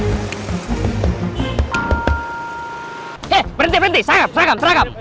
eh berenti berenti sarkap sarkap sarkap